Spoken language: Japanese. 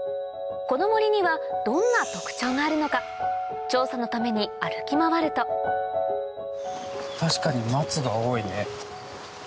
この森にはどんな特徴があるのか調査のために歩き回ると確かに。